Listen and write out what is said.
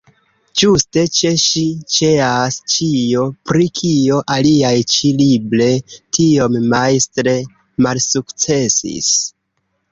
Ĝuste ĉe ŝi ĉeas ĉio, pri kio aliaj ĉi-libre tiom majstre malsukcesis.